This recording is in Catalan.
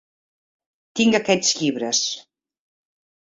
Tinc aquests llibres.